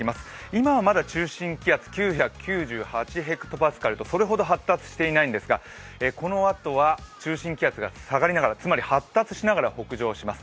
今はまだ中心気圧９９８ｈＰａとそれほど発達していないんですがこのあとは中心気圧が下がりながら、つまり発達しながら北上します。